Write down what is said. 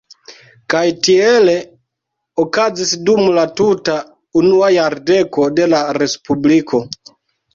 Kaj tiele okazis dum la tuta unua jardeko de la Respubliko.